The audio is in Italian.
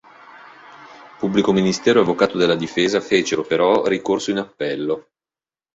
Pubblico ministero e avvocato della difesa fecero, però, ricorso in appello.